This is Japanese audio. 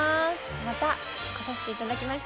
またこさせていただきました。